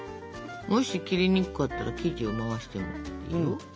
もし切りにくかったら生地を回してもいいよ。